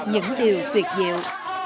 điểm điều tuyệt diệu